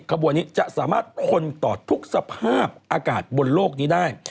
ขบวนนี้จะสามารถทนต่อทุกสภาพอากาศบนโลกนี้ได้